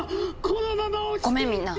ごめんみんな。